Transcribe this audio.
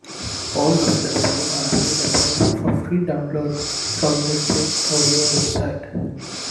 All of the above are available for free download from the JetAudio website.